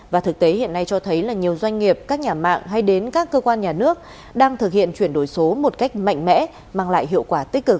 và thực tế hiện nay cho thấy là nhiều doanh nghiệp các nhà mạng hay đến các cơ quan nhà nước đang thực hiện chuyển đổi số một cách mạnh mẽ mang lại hiệu quả tích cực